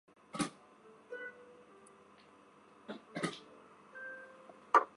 高获师事司徒欧阳歙。